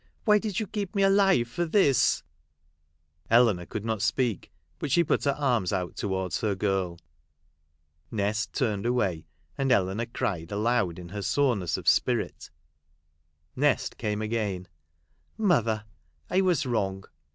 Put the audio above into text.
Why did you keep me alive for this 1 " Eleanor could not speak, but she put her arma out towards her girl. Nest turned away, and Eleanor cried aloud in her soreness of spirit. Nest came again. " Mother, I was wrong.